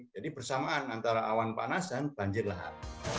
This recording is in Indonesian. jadi bersamaan antara awan panas dan banjir lahar